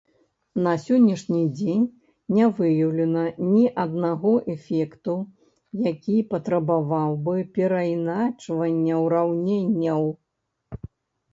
На сённяшні дзень не выяўлена ні аднаго эфекту, які патрабаваў бы перайначвання ўраўненняў.